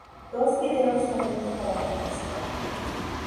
Dos videos se han hecho para la canción.